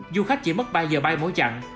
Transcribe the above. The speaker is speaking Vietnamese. du khách chỉ mất ba giờ bay mỗi chặng